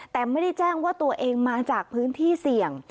แต่ไม่ได้แจ้งว่าตัวเองมาจากพื้นที่เสี่ยง